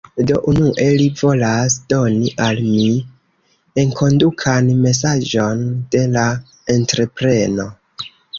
Do, unue li volas doni al mi... enkondukan mesaĝon de la entrepreno.